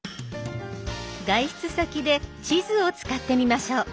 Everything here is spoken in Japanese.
外出先で地図を使ってみましょう。